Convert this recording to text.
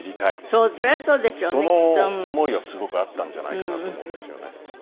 その思いがすごくあったんじゃないかなと思うんですよね。